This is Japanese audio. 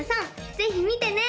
ぜひ見てね！